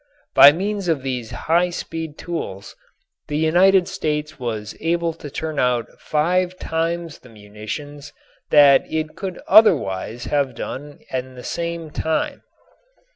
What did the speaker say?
By means of these high speed tools the United States was able to turn out five times the munitions that it could otherwise have done in the same time.